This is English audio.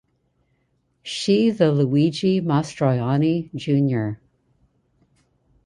She the Luigi Mastroianni Jr.